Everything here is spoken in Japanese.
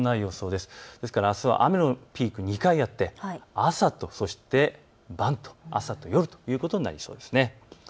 ですからあすは雨のピーク２回あって朝と、そして夜ということになりそうですね。